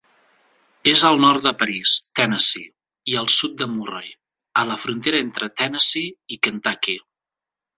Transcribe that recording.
És al nord de París, Tennessee, i al sud de Murray, a la frontera entre Tennessee i Kentucky.